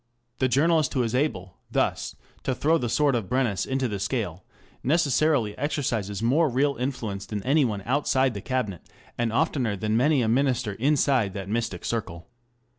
The journalist who is able thus to throw the sword of Brennus into the scale necessarily exercises more real influence than any one outside the Cabinet, and oftener than many a Minister inside that mystic circle.